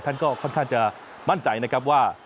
ท่านก็ค่อนข้างจะมั่นใจนะครับว่า